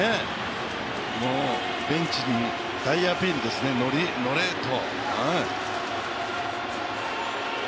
もうベンチに大アピールですよね、のれ、のれと。